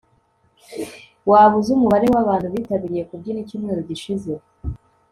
waba uzi umubare wabantu bitabiriye kubyina icyumweru gishize